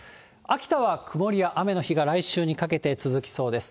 秋田は曇りや雨の日が来週にかけて続きそうです。